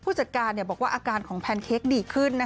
จัดการบอกว่าอาการของแพนเค้กดีขึ้น